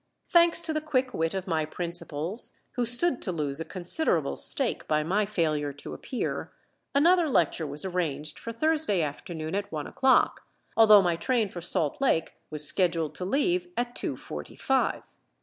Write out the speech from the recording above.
Thanks to the quick wit of my principals, who stood to lose a considerable stake by my failure to appear, another lecture was arranged for Thursday afternoon at one o'clock, although my train for Salt Lake was scheduled to leave at two forty five.